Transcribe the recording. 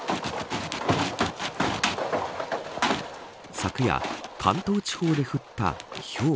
昨夜、関東地方で降ったひょう。